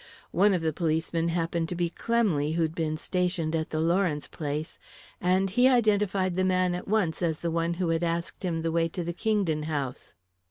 One of the policemen happened to be Clemley, who'd been stationed at the Lawrence place, and he identified the man at once as the one who had asked him the way to the Kingdon house.